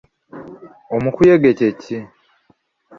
Omukuyege kye ki?